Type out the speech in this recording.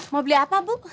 mau beli apa bu